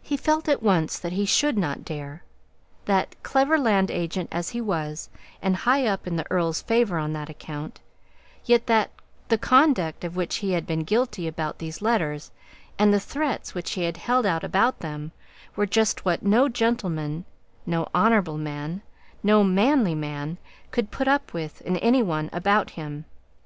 He felt at once that he should not dare; that, clever land agent as he was, and high up in the earl's favour on that account, yet that the conduct of which he had been guilty in regard to the letters, and the threats which he had held out respecting them, were just what no gentleman, no honourable man, no manly man, could put up with in any one about him.